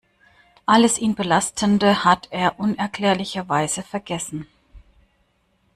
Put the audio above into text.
Alles ihn belastende hat er unerklärlicherweise vergessen.